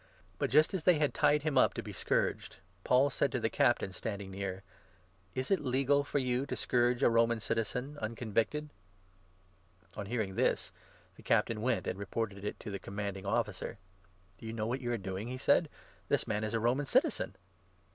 But just as they had tied him up to be 25 scourged, Paul said to the Captain standing near : "Is it legal for you to scourge a Roman citizen, uncon victed ?" On hearing this, the Captain went and reported it to the Com 26 manding Officer. " Do you know what you are doing ?" he said. " This man is a Roman citizen."